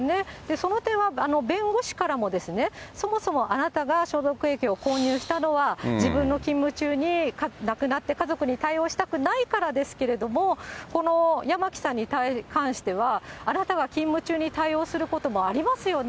その点は弁護士からもそもそもあなたが消毒液を混入したのは、自分の勤務中に亡くなって、家族に対応したくないからですけれども、八巻さんに関しては、あなたが勤務中に対応することもありますよね？